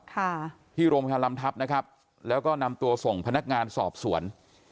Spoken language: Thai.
ที่โรงแรมทัพนะครับแล้วก็นำตัวส่งพนักงานสอบสวน